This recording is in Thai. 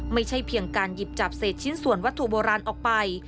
ไม่ใช่เพียงการหยิบจับเศษชิ้นส่วนวัตถุโบราณออกไป